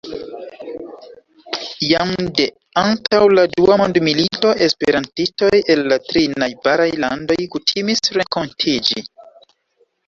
Jam de antaŭ la dua mondmilito, esperantistoj el la tri najbaraj landoj kutimis renkontiĝi.